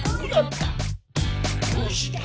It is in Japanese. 「どうして？